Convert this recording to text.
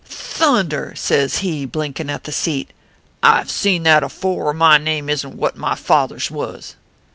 " < Thunder ! says he, blinkin at the seat. I ve seen that afore, or my name isn t what my father s wus